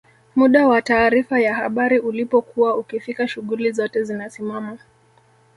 muda wa taarifa ya habari ulipokuwa ukifika shughuli zote zinasimama